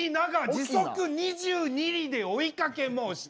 時速２２里で追いかけもうした。